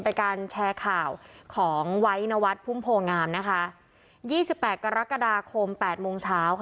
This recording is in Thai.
เป็นการแชร์ข่าวของไวนวัดพุ่มโผงามนะคะ๒๘กรกฎาคม๘โมงเช้าค่ะ